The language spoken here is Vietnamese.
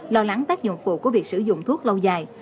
lo lắng tác dụng phụ của việc sử dụng thuốc lâu dài